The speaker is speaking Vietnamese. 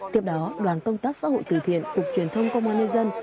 tiếp đó đoàn công tác xã hội từ thiện cục truyền thông công an nhân dân